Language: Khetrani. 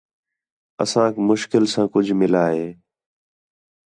اسانک مُشکل ساں کُج مِلا ہِے